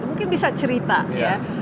mungkin bisa cerita ya